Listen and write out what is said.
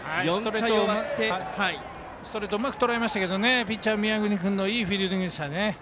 ストレートをうまくとらえましたがピッチャーの宮國君のいいフィールディングでした。